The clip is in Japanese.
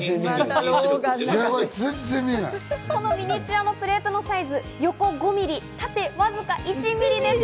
このミニチュアのプレートのサイズ、横５ミリ、縦わずか１ミリです。